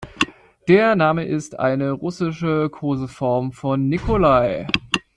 Der Name ist eine russische Koseform von Nikolai.